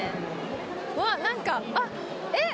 うわ何かあっえっ？